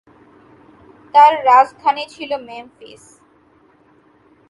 তার রাজধানী ছিল মেমফিস।